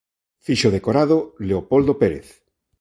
Fixo o decorado Leopoldo Pérez.